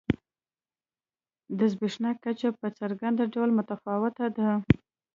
د زبېښاک کچه په څرګند ډول متفاوته ده.